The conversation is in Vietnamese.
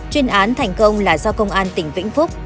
chuyên án thành công là do công an tỉnh vĩnh phúc